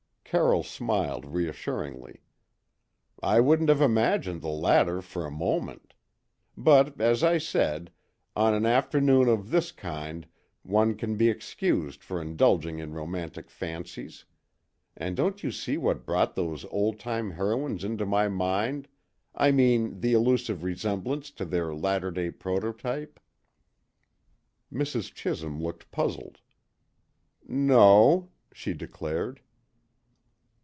Carroll smiled reassuringly. "I wouldn't have imagined the latter for a moment. But, as I said, on an afternoon of this kind one can be excused for indulging in romantic fancies; and don't you see what brought those old time heroines into my mind I mean the elusive resemblance to their latter day prototype?" Mrs. Chisholm looked puzzled. "No," she declared.